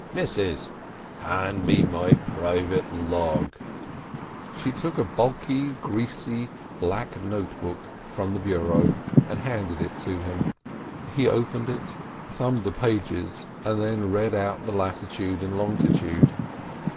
Missus, hand me my private log." She took a bulky, greasy, black note book from the bureau, and handed it to him. He opened it, thumbed the pages, and then read out the latitude and longitude.